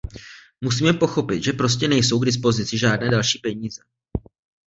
Musíme pochopit, že prostě nejsou k dispozici žádné další peníze.